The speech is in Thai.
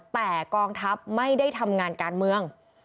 แต่กองทัพไม่ได้ทำงานการเมือง